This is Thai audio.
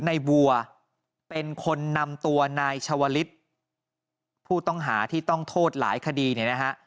ในวัวเป็นคนนำตัวนายชาวลิศผู้ต้องหาที่ต้องโทษหลายคดีเนี่ยนะฮะ